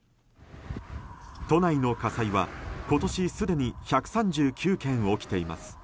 都内の火災は、今年すでに１３９件起きています。